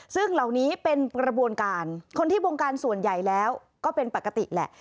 ซึ่งเหล่านี้เป็นกระบวนการคนที่วงการส่วนใหญ่แล้วก็เป็นปกติแหละ